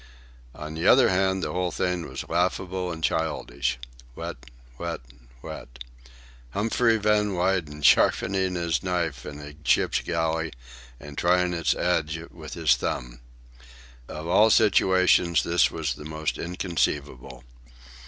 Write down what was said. On the other hand, the whole thing was laughable and childish. Whet, whet, whet,—Humphrey Van Weyden sharpening his knife in a ship's galley and trying its edge with his thumb! Of all situations this was the most inconceivable.